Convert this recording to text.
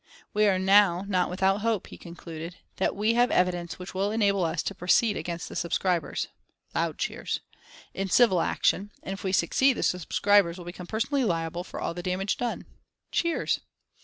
"We are now not without hope," he concluded, "that we have evidence which will enable us to proceed against the subscribers" (loud cheers) "in civil action, and if we succeed the subscribers will become personally liable for all the damage done." (Cheers.)